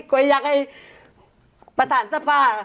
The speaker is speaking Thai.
ก้อยอยากให้ประธานทรภาพ